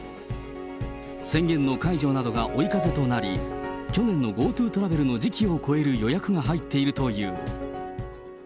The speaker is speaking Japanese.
宣言の解除などが追い風となり、去年のＧｏＴｏトラベルの時期を超える予約が入っているという。